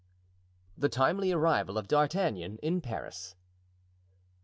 The timely Arrival of D'Artagnan in Paris.